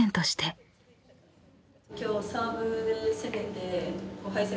今日サーブで攻めて。